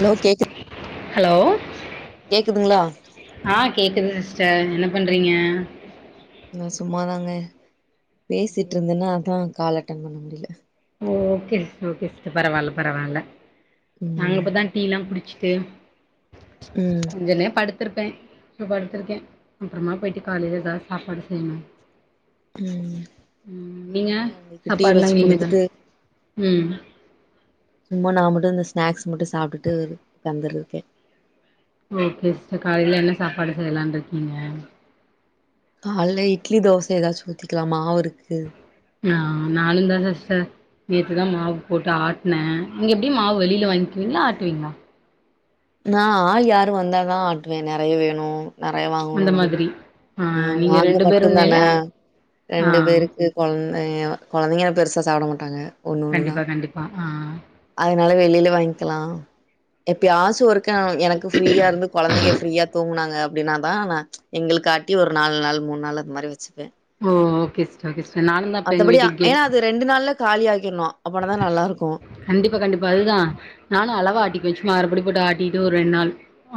Hello கேக்கு hello கேக்குதுங்ளா ஆ கேக்குது சிஸ்ட என்ன பண்றீங்க என சும்மாதாங்க பேசிட்ருந்தன்னா அதா கால் அட்டன் பண்ண முடில ஓ ஓகே சிஸ்டர் ஓகே சிஸ்ட்டு பரவால்ல பரவால்ல நாங் ம் இப்புதான் டீ லா குடிச்சிட்டு ம் கொஞ்சநே படுத்துருப்பே இப்ப படுத்துர்க்கே அப்றமா போய்ட்டு காலில எதா சாப்பாடு செய்ணு ம் ம் நீங்க நானுமே அவங்களுக்கு டீ சப்பாட்லா வச்சு நீங்லேதா குடுத்துட்டு உம் சும்மா நா மட்டு இந்து ஸ்நாக்ஸ் மட்டு சாப்ட்டுட்டு க்காந்துருக்கே ஓகே சிஸ்ட காலில என்ன சாப்பாடு செய்லான்றுக்கீங்க கால்ல இட்லி தோச ஏதாச் ஊத்திக்கலா மாவுருக்கு நா நானுன்தா தஸ்ஸ நேத்துதா மாவ் போட்டு ஆட்ன நீங்க எப்டி மாவ் வெளில வாய்ன்குவீங்ளா ஆட்டுவீங்ளா நா ஆல் யாரு வந்தாதா ஆட்டுவே நெறைய வேணு நெறைய வாங்கணு அந்த அப்டின் மாதிரி ஆ நீங்க நாங்க ரெண்டு மட்டுன் தான பேருன்னேல ஆ ரெண்டு பேருக்கு கொழ்ந்தைய்யு கொழந்தைங்க பெருசா சாப்ட மாட்டாங்க ஒண்ணு ஒண்ணுதா கண்டிப்பா கண்டிப்பா ஆ அதனால வெளில வாய்ன்க்கலா எப்யாச் து ஒருக்கா எனக்கு ஃப்ரீயா இருந்து கொழந்தைங்க ஃப்ரீயா தூங்குனாங்க அப்டின்னா தா நா எங்களுக் ஆட்டி ஒரு நாலு நாள் மூன் நாள் அது மாரி வெச்சுப்ப மோ ஒகே சிஸ் ச்சோக்கே சிஸ்ட்டு நானுன்தா அத்தபடியா ஏன்னா அது ரெண்டு நாள்ல காலியாக்கிர்னு அப்பனா தா நல்லாருக்கு கண்டிப்பா கண்டிப்பா அதுதா நானு அளவா ஆட்டிக் வெச் மறுப்டி போட் ஆட்டிட்டு ஒ ரெண் நாள்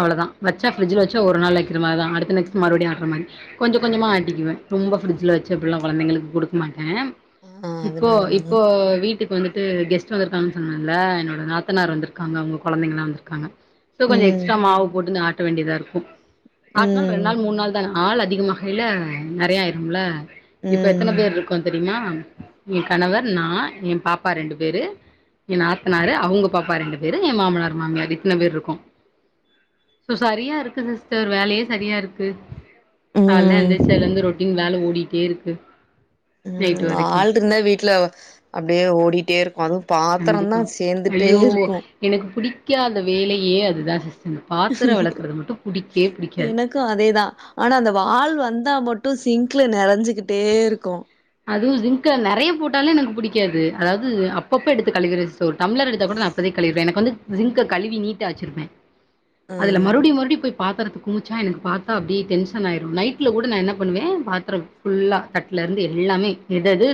அவ்ளதா வச்சா ஃப்ரிஜுல வச்சா ஒரு நால் லைக்கிற மா தா அடுத்த நெக்ஸ்ட் மறுபடி ஆட்ற மாரி கொஞ்ச கொஞ்சமா ஆட்டிக்குவே ரொம்ப ஃப்ரிஜுல வெச்சு அப்புல்லா கொழந்தைங்களுக் குடுக் மாட்டேம் ஆ இப்போ அதனால தாங்க. இப்போ வீட் திப் வந்துட்டு கெஸ்ட் வந்துருக்காங்கன் சொன்னல்ல என்னோட நாத்தனார் வந்திர்க்காங்க அவ்ங்க கொழந்தைங்கலா வந்துர்க்காங்க சோ கொஞ்ச ம். எக்ஸ்ட்ரா மாவு போட்டு ஆட்ட வேண்டிதா இருக்கு ஆட்நால் ரெண் ம். நாள் மூண் நாள் தன் ஆள் அதிகமாஹைல நெறைய ஆய்ரும்ல இப்ப எத்தன ம். பேர் ருக்கோ தெரிமாம் எ கணவர் நா எ பாப்பா ரெண்டு பேரு எ நாத்தனாரு அவங்க பாப்பா ரெண்டு பேரு எ மாமனார் மாமியார் இத்ன பே ருக்கோ சோ சரியா இருக்கு சிஸ்டர் வேலயே சரியா இருக்கு கால்ல ம். எந்திச்சலுந்து ரொட்டின் வேல ஓடிட்டே ருக்கு ம் ஆள் ருந்தா வீட்லவு அப்டியே ஓடிட்டே இருக்கு அதூ பாத்தருன்தா கண்டிப்பா சேந்துட்டே ஐயோ இருக்கு எனக்கு புடிக்காத வேலையே அதுதா சிஸ்டன் பாத்தர வளக்குறது மட்டு புடிக்கே புடிக்காது க அதேதா ஆனா அந்த வாள் வந்தா மட்டு சிங்ல நெறஞ்சுக்குட்டே இர்க்கு அதுவு ஜிங்க்க நறைய போட்டாலே எனக்கு புடிக்காது அலாவ்து அப்பப்போ எடுத்து கழுவிறுஸ் ஒ டம்ளர் எடுத்தா கூட நா அப்பதே கலுவீர்வே எனக் வந்து ஜிங்க்க கழுவி நீட்டா வச்சிர்ப்பே அ. அதுல மறுவ்டி மறுடி போய் பாத்தரத்த குமிச்சா எனக்கு பாத்தா அப்டியே டென்ஷன் ஆய்ரு நைட்ல கூட நா என்ன பண்ணுவே பாத்ரம் ஃபுல்லா தட்ல இருந்து எல்லாமே எதது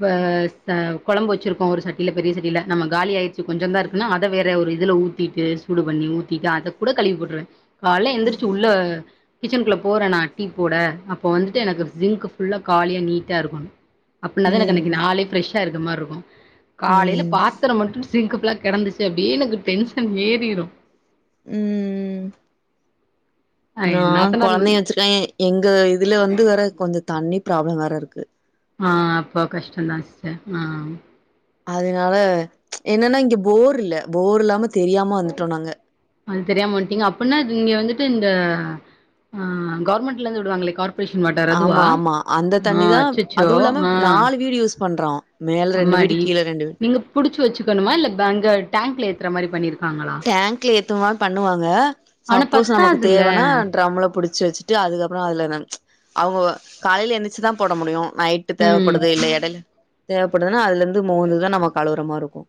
பா ச கொழம் வச்சிருக்கோ ஒரு சட்டில பெரிய சட்டில நம்ம காலி ஆய்ர்ச்சு கொஞ்சன் தா இருக்குன்னா அத வேற ஒரு இதுல ஊத் திட்டு சூடு பண்ணி ஊத்திட்டு அத கூட கழுவி போட்ருவ காலைல ம். எந்திரிச்சி உள்ள கிச்சனுக்குள்ள போறே நா டீ போட அப்போ வந்துட்டு எனக்கு ஜிங்க் ஃபுல்லா காலியா நீட்டா இருக்கணு அப்டின்னா தா எனக்கு அன்னிக்கு ம். நாளே ஃப்ரெஷ்ஷா இருக்க மாரி இருக்கு காலைல ம். பாத்தரோ மட்டு சின்க்‌கு ஃபுல்லா கெடந்துச்சு அப்டியே எனக்கு டென்ஷன் ஏறிரு உம் அ நா நாத்தனார் கொழந்தைங்க வச்சிருக்கே எங்க இதுல வந்து வேற கொஞ்சோ தண்ணி ப்ராப்ளோ வேற இருக்கு ஆ அப்போ கஷ்ட்டோ தா சிஸ்டர் ஆ அத்னால என்னன்னா இங்க போர் இல்ல போர் இல்லாம தெரியாம வந்துட்டோ நாங்க அது தெரியாம வந்த்ட்டிங்க அப்புடின்னா நீங்க வந்துட்டு இந்த ஆ கவர்மென்ட் ல இருந்து விடுவாங்களே கார்ப் ப்ரேஷன் வாட்டர் அதுவா ஆமா ஆமா ஆ அச்சச்சோ அ ப்யூர் யூஸ் பண்றோ மேல ரெண்டு வீடு அம்மாடி கீழ ரெண்டு வீடு நீங்க புடிச்சு வச்சுக்கணுமா இல்ல அங்க டேங்கல ஏத்துற மாரி பண்ணியிருக்காங்களா டேங்க்ல ஏத்துமா பண்ணுவாங்க ஆனா சப்போஸ் நமக்கு பத்தாதுல்ல தேவன்னா ட்ரம்ல புடிச் ச்சு வச்சுட்டு அதுக்கப்பறோ அதுல நானு அவுங்கோ காலைல எந்துச்சுதா போட முடியு நயிட்டு ம் தேவப்படுது இல்ல எடைல தேவைப்படுதுன்னா அதுல இருந்து மோந்துதா நம்ம கழுவுறமாரி இருக்கு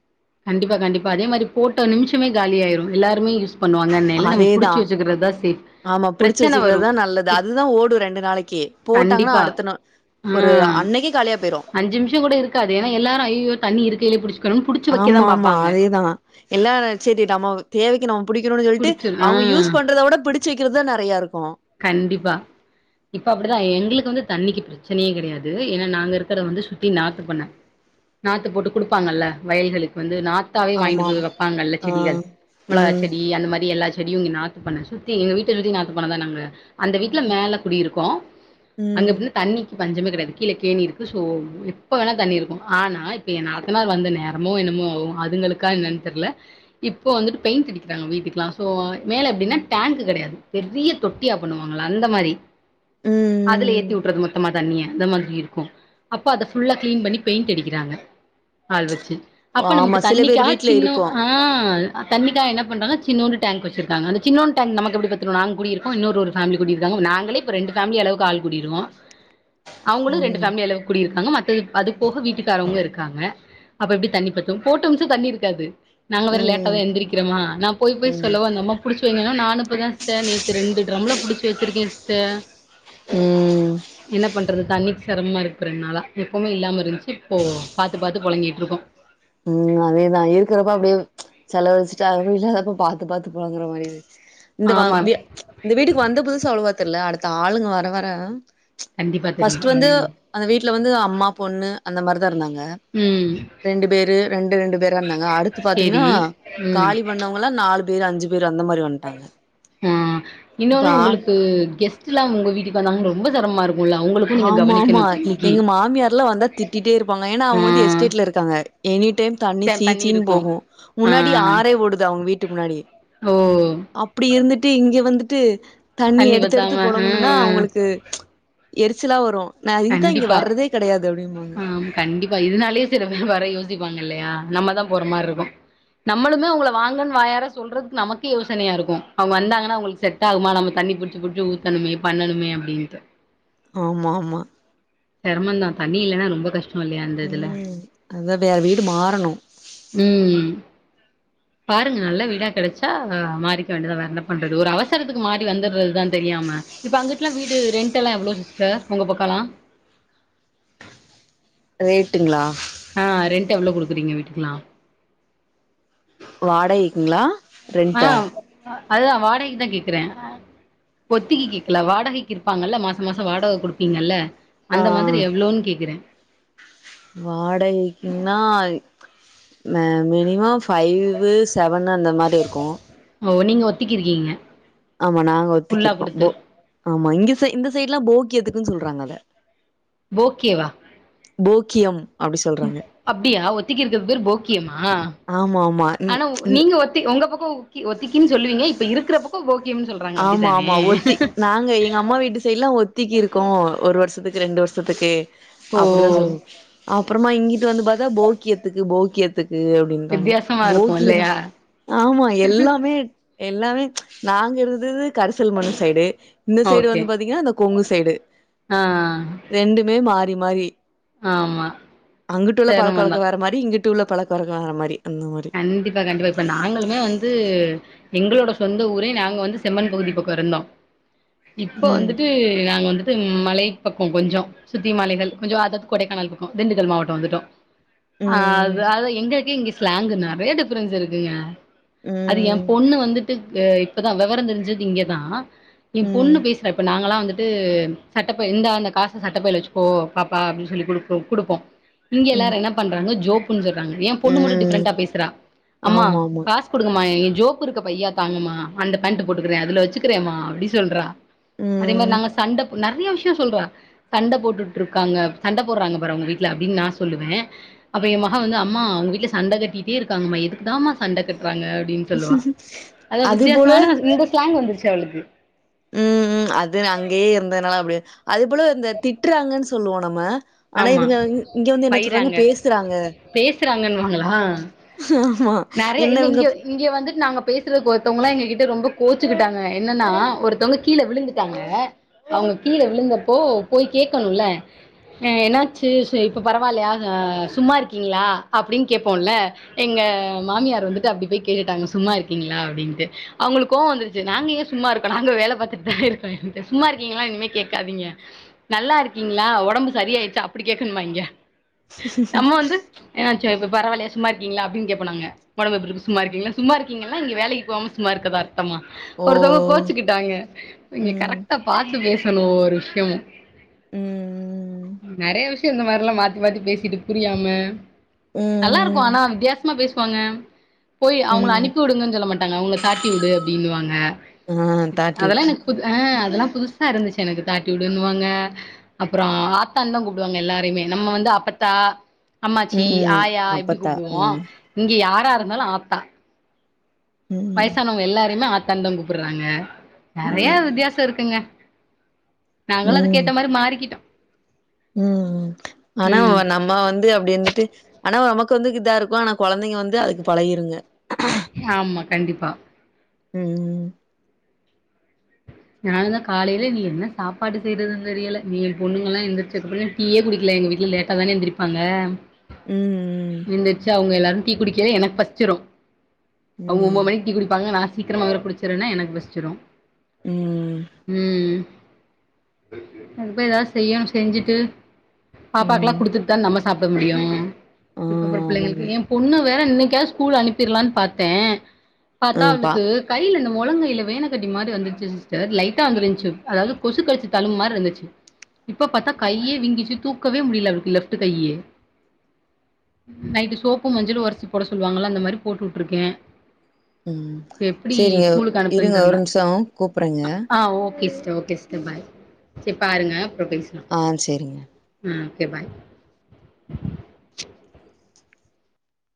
கண்டிப்பா கண்டிப்பா அதேமாரி போட்ட நிம்ஷமே காலியாயிரு எல்லாருமே யூஸ் பண்ணுவாங்கன்னேல நம்ம அதேதா புடிச்சு வச்சுக்கறதுதா சேஃப் ஆமா புடிச்சு பிரச்சன வரு வச்சுக்கிறதுதா நல்லது இப் அதுதா ஓடு ரெண்டு நாளைக்கு போட்டாங்கன்னா அடுத்த நா ம் அஞ்சு நிமிஷோ கூட இருக்காது ஏன்னா எல்லாரு ஐய்யய்யோ தண்ணி இருக்கையிலே புடிச்சு புடிச்சுக்கணும்னு வைக்க தா ஆமாம்மாம்மா பாப்பாங்க அதேதா எல்லா செரி நமோ தேவக்கீ நம்ம புடிக்கணுன்னு சொல்ட்டு புடிச்சிரு ஆ அவங்க யூஸ் பண்றதவுட பிடிச் சு வெக்கீறதா நெறையா இருக்கு கண்டிப்பா இப்ப அப்டிதா எங்களுக்கு வந்து தண்ணிக்கு ப்ரச் ப்ரச்சனையே கெடையாது ஏன்னா நாங்க இருக்கறது வந்து சுத்தி நாத்து பண்ண நாத்து போட்டு குடுப்பாங்கள்ல வயல்களுக்கு வந்து நாத் நாத்தாவே வாங்கிட்டு போய் ஆமாமா. வெப்பாங்கள்ல ஆ. செடிகள் சொன்னீங்க. மொளகா ம். செடி அந்த மாரி எல்லா செடியு இங்க பண்ண சுத்தி எங்க வீட்ட சுத்தி நாத்து பண்ணதா நாங்க அந்த வீட்டுல மேல குடியிருக்கோ அங்க ம். தண்ணிக் டையாது கீழே கேணி இருக்கு சோ எப்ப வேணா தண்ணி இருக்கு ஆனா இப்ப எ நாத்தநார் வந்த நேரோ அம்மோ என்னமோ அதுங்களுக்கா என்னன்னு தெர்ல இப்போ வந்துட்டு பெயிண்ட் அடிக்கிறாங்க வீட்டுக்கெல்லா சோ மேல எப்டின்னா டேங்க்கு கெடையாது பெரிய தொட் டிய்யா பண்ணுவாங்கள்ல அந்த மாரி ம். அதுல ம். ஏத்திவுட்டுறது மொத்தமா தண்ணிய அந்த மாதிரி இருக்கு அப்ப அத ஃபுல்லா கிளின் பண்ணி பெயிண்ட் அடிக்கிறாங்க ஆள் வெச்சு அப்ப ஆமா, நமக்கு சில பேர் தண்ணிக்காக வீட்ல சின்னு இருக்கும். ஆ தண்ணிக்காக என்ன பண்றாங்க சின்னுண்டு டேங்க் வச்சிருக்காங்க அந்த சின்னோண்டு டேங்க் நமக்கு எப்டி பத்து நாங் குடிக்கறதுக் இப்போ இன்னோரு ஒரு ஃபேமிலி குடியிருக்காங்க நாங்களே இப்ப ரெண்டு ஃபேமிலி அளவு ஆள் குடியிருகோ அவுங்களு ரெண்டு ம். ஃபேமிலி அளவுக்கு குடியிருக்காங்க மத்த அது போக வீட்டுக்காரவங்களு இருக்காங்க அப்ப எப்டி தண்ணி பத்து போட்ட நிம்சோ தண்ணி இருக்காது நாங்க வேற லேட்டா தா ம். எந்திரிக்றம்மா நா போய் போய் ம். சொல்லுவு அந்த அம்மா புடிச்சி வைங்கன்னு நானு இப்ப தா சே நேத் து ரெண்டு டிரம்ல புடிச்சு வச்சிருக்கே சிஸ்டர் உம் என்ன பண்றது தண்ணிக்கு சிரமமா இருக்கு ரெண்ட் நாளா எப்பமே இல்லாம இருஞ்ச்சி இப்போ பாத்து பாத்து பொழங்கிட்டுருக்கோ உம் அதேதா இருக்கிறப்ப அப்டியே செலவழிச்சிட்டா அது இல்லாதப்போ பாத்து பாத்து பொழங்குற மாரி இருக் இந்த வா ஆமா வீ இந்த வீட்டுக்கு வந்த புதுசுல அவ்ளவா தெர்ல அடுத்து ஆளுங்க வர வர கண்டிப்பா தெரியு ஃபஸ்ட்டு வந்து ம் அந்த வீட்ல வந்து அம்மா பொண்ணு அந்த மாரிதா இருந்தாங்க ம் ரெண்டு பேரு ரெண்டு ரெண்டு பேரா இருந்தாங்க அடுத்து பாத்தீங்ன்னா சேரி ம் காலி பண்ணவங்கலா நாலுப் பேர் அஞ்சு பேரு அந்த மாரி வந் ஆ இன்னொன்னு உங்களுக்கு கெஸ் ட்டுலா உங்க வீட்டுக்கு வந்தாங்க ரொம்ப செரம்மா இருக்குல அவங்களுக் ஆமா மா எங்க மாமியார்லா வந்தா திட்டிட்டே இருப்பாங்க ஏனா ஆ அவுங்க வந்து எஸ்டேட்ல இருக் காங்க எனி டைம் தண்ணி த சீ சீன் இருக்கு போகு ஆ முன்னாடி ஆறே ஓடுது அவுங் வீட்டு முன்னாடி ஓ அப்படி இருந்துட்டு இங்க வந்துட்டு தண்ணி எடுத்து எடுத்து பத்தாம ஆ பொழங்கணுன்னா அவுங்களுக்கு எரிச்சலா வரு நா இதுதா இங்க கண்டிப்பா வர்றதே கெடையாது அப்டிம்பாங்க ஆ கண்டிப்பா இதனாலியே சில பேர் வர யோசிப்பாங்க இல்லையா நம்மதா போற மார் ருக்கு நம்மளுமே அவுங்கள வாங்கன் வாயார சொல்றதுக்கு நமக்கு யோசனையா இருக்கு அவுங்க வந்தாங்கனா அவங்களுக்கு செட் டாகுமா நம்ம தண்ணி புடுச்சி புடுச்சி ஊத்தணுமே பண்ணணுமே அப்டின்ட்டு ஆமா ஆமா செரமந்தா தண்ணி இல்லனா ரொம்ப கஷ்டோ இல்லையா அந்த இதுல ம் அதா வேற வீடு மாறணு ம் பாருங்க நல்ல வீடா கெடச்சா மாறிக்க வேண்டதா வேற என்ன பண்றது ஒரு அவசரத்துக்கு மாறி வந்துற்றதுதா தெரியாம இப்போ அங்குட்லா வீடு ரெண்டெல்லா எவ்ளோ சிஸ்டர் உங்க பக்கோலா ரேட்டுங்ளா ஆ ரெண்ட் எவ்ளோ குடுக்குறீங்க வீட்டுக்குலா வாடகைக்குங்ளா ஆ அதுதா வாடகைக்கு தா கேக்குறே ஒத்திகி கேக்கல வாடகைக்கிருப்பாங்கல்ல மாச மாசோ வாடக குடுப்பீங்கல்ல ஆ அந்த மாதிரி எவ்ளோன் கேக்குறே வாடகைக்கின்னா மே மினிமம் ஃபைவு செவன் அந்த மாரி இருக்கு ஓ நீங்க ஒத்திக்கு இருக்கீங்க ஆமா நாங்க ஒத்திக்கு ஃபுல்லா இருக்கோ குடுத்து போ ஆமா இங்க ச இந்த சைட்ல்லா போக்கியதுக்குன் சொல்றாங்க அத போக்கியவா போக்கியம் அப்டி சொல்றாங்க அப்டியா ஒத்திக்கு இருக்க பேரு போக்கியமா ஆமா ஆமா ஆனா உ ம் நீங்க ஒத்தி உங்க பக்கோ ஒக்கி ஒத்திக்கின் சொல்லுவீங்க இப்ப இருக்குறப் ப் போக்கியம் சொல்றே ஆமா ஆமா ஒத்தி நாங்க எங்க அம்மா வீடு சைட்ல்லா ஒத்திக்கி இருக்கோ ஒரு வருஷத்துக்கு ரெண்டு வருஷத்துக்கு ஓ அப்படிதா சொல்வோ அப்பறமா இங்கிட்டு வந்து பாத்தா போக்கியத்துக்கு போக்கியத்துக்கு அப்டின்றாங்க வித்தியாசமா இருக்கு போகியமா இல்லையா ஆமா எல்லாமே எல்லாமே நாங்க இருந்தது கரிசல்மண்ணு சைடு இந்த சைடு ஓகே வந்து பாத்தீங்கனா இந்த கொங்கு சைடு ஆ ரெண்டுமே மாறி மாறி ஆமா அங்குட்டு உள்ள பழக்க சிரமந்தா வழக்க வேற மாரி இங்குட்டு உள்ள பழக்க வழக்க வேற மாரி அந்த மாரி கண்டிப்பா கண்டிப்பா இப்ப நாங்களுமே வந்து எங்களோட சொந்த ஊரே நாங்க வந்து செம்மன் பகுதி பக்கோ இருந்தோ இப்போ ம் வந்துட்டு நாங்க வந்து ம் மலை பக்கோ கொஞ்சோ சுத்தி மலைகள் கொஞ்சோ அதத் கொடைக்கானல் பக்கோ திண்டுக்கல் மாவட்டோ வந்துட்டோ ஆ அத ம் அதா எங்களுக்கே இங்க ஸ்லாங்கு நெறைய டிஃப்ரென்ஸ் இருக்குங்க அது ஏ ம் பொண்ணு வந்துட்டு இப்பதா வெவரோ தெரிஞ்சது இங்கதா ஏ பொண்ணு ம் பேசறா இப்ப நாங்க கெல்லா வந்துட் ட்டு சட்டப்பை இந்தா இந்த காச சட்ட பைல வச்சுக்கோ பாப்பா அப்டின் சொல்லிகுடுப்போ குடுப்போ இங்க ம் எல்லாரு என்ன பண்றாங்க ஜோப்புன்னு சொல்றாங்க ஏ பொண்ணு மட்டும் ம் டிஃப்ரண்டா பேசுறா அம்மா ஆமா ஆமா பா காசு குடுங்கம்மா என் ஜோப்பு இருக்க பையா தாங்கம்மா அந்த பேண்ட் போட்டுக்கற அதுல வச்சுக்கிறேமா அப்டி சொல்றா அதே மாரி நாங்க ம் சண்டப் நெறைய விஷ்யோ சொல்றா சண்ட போட்டுட்டுருக்காங்க சண்ட போடுறாங்க பார் அவ்ங்க வீட்ல அப்டின்னு நா சொல்லுவே அப்ப ஏ மக வந்து அம்மா அவ்ங்க வீட்ல சண்ட கட்டிட்டே இருக்காங்மா எதுக்குதா சண்ட கட்றாங்க அப்டின் சொல்லுவா அதா அதுபோல வித்யாசமான இந்த ஸ்லாங் வந்துருச்சு அவ்ளுக்கு ம் ம் அது அங்கேயே இருந்தனால அப்டி அது போல இந்த திட்டுறாங்கன்னு சொல்லுவோ நம்ம ஆனா ஆமா இவுக இங்க வந்து என்ன சொல்றாங்க வைறாங்க பேசுறாங்க பேசுறாங்கன்னுவாங்களா ஆமா என்ன இவங்கப் இங்கே வந்துட் நாங்க பேசுறதுக் ஒருத்தவங்கெல்லா எங்ககிட்ட ரொம்ப கோச்சுக்கிட்டாங்க என்னன்னா ஒருத்தவ்ங்க கீழ விழுந்துட்டாங்க அவங்க கீழ விழுந்தப்போ போய் கேக்கணுல என்னாச்சு சு இப்போ பரவாலயா ஆ சும்மா இருக்கீங்ளா அப்டின் கேப்போல்ல எங்க மாமியார் வந்துட்டு அப்டி போய் கேட்டுட்டாங்க சும்மா இருக்கீங்ளா அப்டின்ட்டு அவ்ங்ளுக் கோவோ வந்துருச்சி நாங்க ஏ சும்மா இருக்கனு நாங்க வேல பாத்துட்தா இருக்கோ இங்கிட்டு சும்மா இருக்கீங்ளா இனிமே கேட்காதீங்க நல்லா இருக்கீங்ளா ஒடம்பு சரி ஆய்ருச்சா அப்டி கேக்ணுமா இங்க நம்ம வந்து ஏ ஆச்சோ இப்ப பரவால்ய சும்மா இருக்கீங்ளா அப்டின் கேப்போ நாங்க ஒடம்பு எப்டிருக்கு சும்மா இருக்கீங்ளா சும்மா இருங்கிங்கனா நீங்க வேலைக் போவாம சும்மா இருக்கதா தம்மா ஓ! ஒருத்தோங்க கோச்சுக்கிட்டாங்க இங்க ம், கரெக்டா பாத்து பேசணு ஒரு விஷ்யமு ம் ம், நெறைய விஷயோ இந்த மாரிலா மாத்தி மாத்தி பேசிட்டு புரியாம நல்லாருக்கு ஆனா ம், வித்யாசமா பேசுவாங்க போய் அவங்ள ம். அனுப்யுடுங்கனு சொல்ல மாட்டாங்க அவங்ள தாட்டிவுடு அப்டின்னு வாங்க ஆ தாட்டி அதெல்லா விட்டு எனக்கு புது அ அதெல்லா புதுசா இருந்துச்சு எனக்கு தாட்டிவுடுன் வாங்க அப்றோ ஆத் தான்தா கூப்டுவாங்க எல்லாரையுமே நம்ம வந்து அப்பத்தா அம்மாச்சி ம். ஆயா இப்டி அப்பத்தா கூப்டுவோ ம், இங்க யாரா இருந்தாலு ஆத்தா ம் வயசானவங்க எல்லாரையுமே ஆத்தான்தா கூப்பிட்றாங்க நெறைய ம், வித்தியாசோ இருக்குங்க நாங்களு அதுக்கேத்த மாரி மாறிக்கிட்டோ ம் ம் ஆனா ம் வ நம்ம வந் து அப்டி இருந்துட்டு அனா நமக்கு வந்து இதா இருக்கு ஆனா கொழந்தைங்க வந்து அதுக்கு பழகிருங்க ஆமா கண்டிப்பா ம் அதனால தா காலேல நீ என்ன சாப்பாடு செய்றதுன்னு தெரியல நீ ஏழ் பொண்ணுங்க எல்லா எந்திரிச்ச [unintelligible] டீயே குடிக்கெல எங்க வீட்ல லேட்டதான எந்திரிருப்பாங்க உ எந்திர்ச்சி அவங்க எல்லாரு டீ குடிக்கவே எனக்கு பசிச்ரு ம், அவங்க ஒம்போ ம், மணிக் டீ குடிப்பாங்க நா சீக்ரமா வேற குடிச்சிருவேனா எனக்கு பசிச்சிரு ம் இப் போய் ஏதாது செய்யணு செஞ்சுட்டு பாப்பாக்லா ம் குடுத்துட்தா நம்ம சாப்ட முடியு ஆ இதுக்கப்ற ஆமாங்க புள்ளங்ளுக்கு ஏம் பெண்ணு வேற இன்னைக்காது ஸ்கூல் அனுப்பிர்லானு பாத்தே ஆ பாத்தா பா அவுளுக்கு கைல இந்த மொழங்கைல வேனக்கட்டி மாரி வந்துட் சு சிஸ்டர் லைட்டா வந்திருந்துச்சு அதாது கொசு கடிச்ச தலும்பு மாரி இருந்துச்சி இப்ப பாத்தா கையே வீங்கிருச்சி தூக்கவே முடில அவளுக்கு லெஃப்ட்டு கையி நைட்டு சோப்பும் மஞ்சளும் ஒரசி போட சொல்லுவாங்கள அந்த மாரி போட்டு வுட்ருக்கே ம் செரிங்க ஸ்கூலுக்கு அனுப்புன்னு இருங்க ஒரு தெர்ல நிம்ஷோ கூப்றங்க ஆ okay sister okay sister bye செ பாருங்க அப்றோ பேஸ்லா ஆ செரிங்க ம் ஓகே பாய்